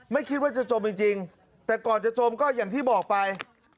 ไม่คิดว่าจะจมจริงแต่ก่อนจะจมก็อย่างที่บอกไป